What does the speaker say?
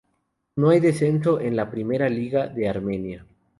No hay descenso a la Primera Liga de Armenia,